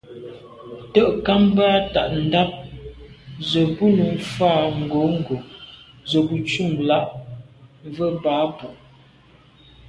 Te'nkam bə́ á tà' ndàp zə̄ bú nǔm fá ŋgǒngǒ zə̄ bū cûm lɑ̂' mvə̀ Ba'Bu.